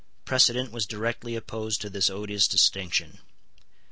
Precedent was directly opposed to this odious distinction.